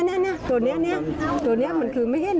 นี่ตัวนี้มันคือไม่เห็น